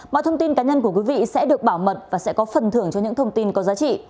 mọi thông tin cá nhân của quý vị sẽ được bảo mật và sẽ có phần thưởng cho những thông tin có giá trị